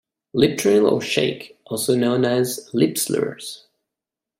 Lip-Trill or Shake: Also known as "lip-slurs".